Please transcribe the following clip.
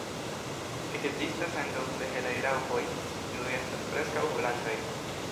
Ekzistas ankaŭ tre helaj raŭpoj, kiuj estas preskaŭ blankaj.